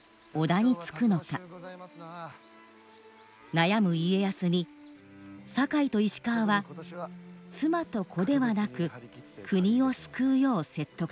悩む家康に酒井と石川は妻と子ではなく国を救うよう説得します。